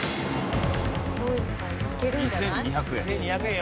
２２００円。